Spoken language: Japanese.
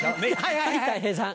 はいたい平さん。